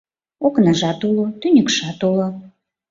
Окнажат уло, тӱньыкшат уло.